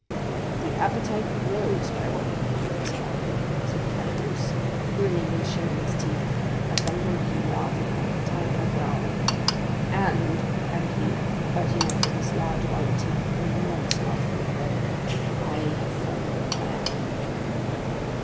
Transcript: "The appetite grows by what it feeds on," said Caderousse, grinning and showing his teeth, like a monkey laughing or a tiger growling. "And," added he, biting off with his large white teeth an enormous mouthful of bread, "I have formed a plan."